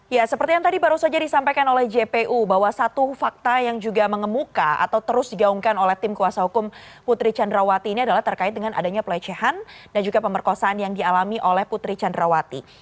ya seperti yang tadi baru saja disampaikan oleh jpu bahwa satu fakta yang juga mengemuka atau terus digaungkan oleh tim kuasa hukum putri candrawati ini adalah terkait dengan adanya pelecehan dan juga pemerkosaan yang dialami oleh putri candrawati